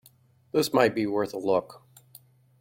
This might be worth a look.